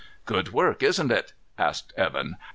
"Good work, isn't it?" asked Evan.